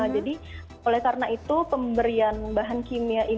jadi oleh karena itu pemberian bahan kimia